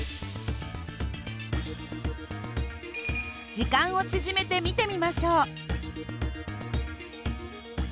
時間を縮めて見てみましょう。